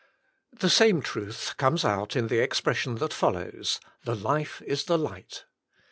The same truth comes out in the expression that follows: The life is the light.